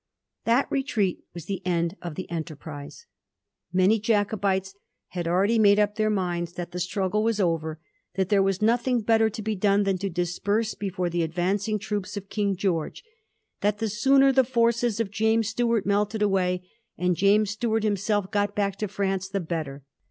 That retreat was the end of the enterprise. Many Jacobites had already made up their minds that the struggle was over, that there was nothing better to be done than to disperse before the advancing troop& of King George, that the sooner the forces of Jamea Stuart melted away and James Stuart himself got back to France, the better.